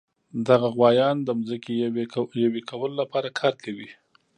دغه غوایان د ځمکې یوې کولو لپاره کار کوي.